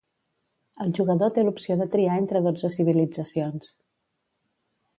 El jugador té l'opció de triar entre dotze civilitzacions.